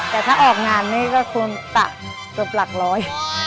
แต่ถ้าออกงานไม่ได้ก็ควรตะตัวประหลักร้อย